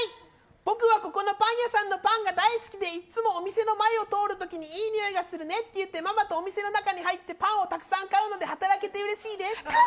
僕はここのパン屋さんのパンが大好きでいつもお店の前を通るときにいい匂いがするねって言ってママとお店の中に入ってパンをたくさん買うので可愛い！